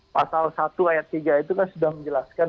pasal satu ayat tiga itu kan sudah menjelaskan